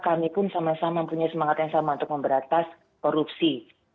kami pun sama sama punya semangat yang sama untuk memberantas korupsi